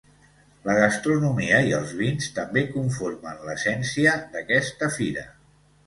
La gastronomia i els vins també conformen l’essència d’aquesta fira.